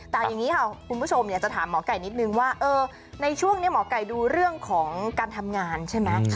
แต่อย่างนี้ค่ะคุณผู้ชมอยากจะถามหมอไก่นิดนึงว่าในช่วงนี้หมอไก่ดูเรื่องของการทำงานใช่ไหม